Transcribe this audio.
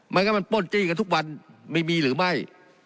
มันก็มันป้นจี้กันทุกวันไม่มีหรือไม่